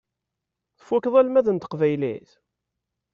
Tfukkeḍ almad n teqbaylit?